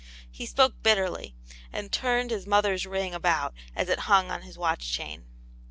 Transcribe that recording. *" He spoke bitterly, and turned his mother's ring about as it hung on his watch chain.